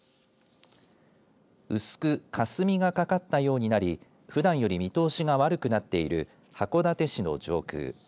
薄くかすみがかったようになりふだんより見通しが悪くなっている函館市の上空。